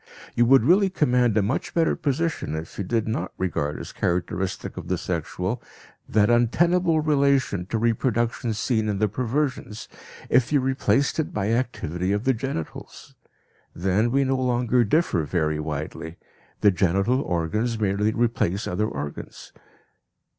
You would really command a much better position if you did not regard as characteristic of the sexual that untenable relation to reproduction seen in the perversions, if you replaced it by activity of the genitals. Then we no longer differ very widely; the genital organs merely replace other organs.